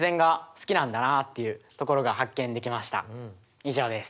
以上です。